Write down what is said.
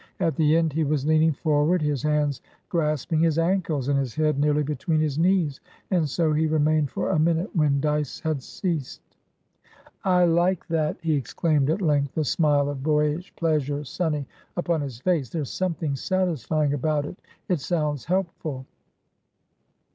At the end, he was leaning forward, his hands grasping his ankles, and his head nearly between his knees; and so he remained for a minute when Dyce had ceased. "I like that!" he exclaimed at length, the smile of boyish pleasure sunny upon his face. "There's something satisfying about it. It sounds helpful."